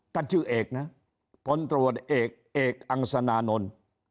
ท่านชื่อเอกนะพตเออังสนานนท์